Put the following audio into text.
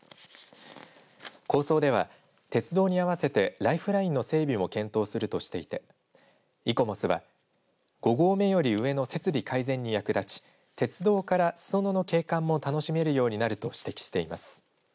構想では鉄道に合わせてライフラインの整備も検討するとしていてイコモスは５合目より上の設備改善に役立ち鉄道からすそ野の景観も楽しめるようになると指摘しています。